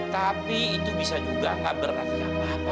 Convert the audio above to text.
tapi itu bisa juga nggak berarti apa apa kan ma